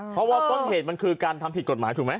เพราะว่าต้นเหตุมันคือการทำผิดกฎหมายถูกไหม